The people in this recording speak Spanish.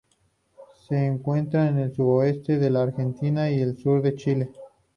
Se encuentra en el sudoeste de la Argentina y el sur de Chile.